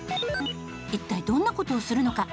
一体どんな事をするのか？